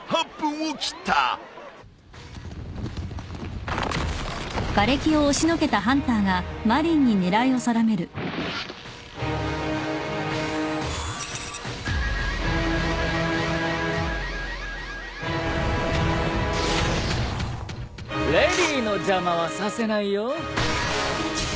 レディーの邪魔はさせないよ。